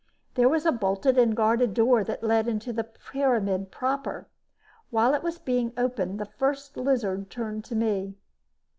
There was a bolted and guarded door that led into the pyramid proper. While it was being opened, the First Lizard turned to me.